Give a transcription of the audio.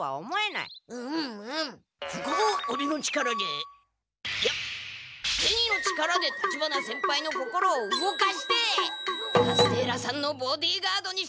いやゼニの力で立花先輩の心を動かしてカステーラさんのボディーガードにしてみせる！